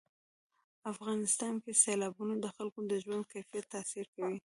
افغانستان کې سیلابونه د خلکو د ژوند کیفیت تاثیر کوي.